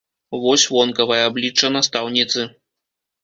Вось вонкавае аблічча настаўніцы.